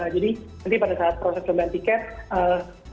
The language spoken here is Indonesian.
jadi nanti pada saat proses pembelian tiket